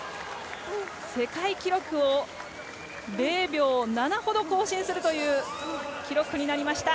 世界記録を０秒７ほど更新するという記録になりました。